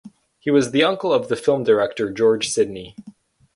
He was the uncle of the film director George Sidney.